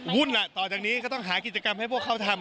ต่อจากนี้ก็ต้องหากิจกรรมให้พวกเขาทำ